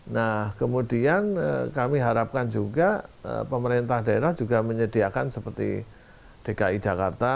nah kemudian kami harapkan juga pemerintah daerah juga menyediakan seperti dki jakarta